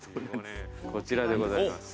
こちらでございます。